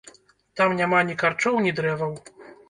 Там няма ні карчоў, ні дрэваў.